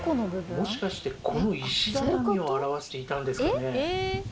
もしかして。を表していたんですかね？